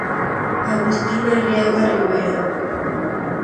Agustin Arriaga Rivera.